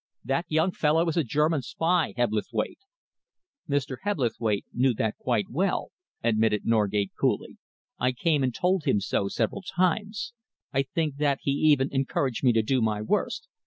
That young fellow is a German spy, Hebblethwaite." "Mr. Hebblethwaite knew that quite well," admitted Norgate coolly. "I came and told him so several times. I think that he even encouraged me to do my worst."